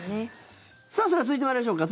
それでは続いて参りましょうか。